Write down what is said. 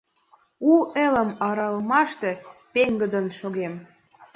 У элым аралымаште пеҥгыдын шогем.